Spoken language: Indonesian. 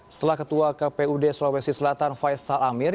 setelah ketua kpud sulawesi selatan faisal amir